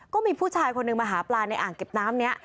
ก็มีผู้ชายคนหนึ่งมาหาปลาในอ่างเก็บน้ำนี้